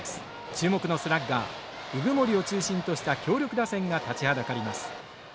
注目のスラッガー鵜久森を中心とした強力打線が立ちはだかります。